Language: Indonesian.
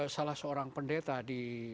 salah seorang pendeta di